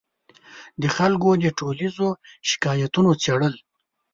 د خلکو د ټولیزو شکایتونو څېړل